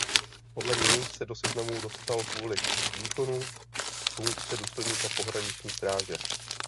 Podle něj se do seznamů dostal kvůli výkonu funkce důstojníka Pohraniční stráže.